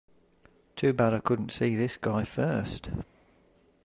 Too bad I couldn't see this guy first.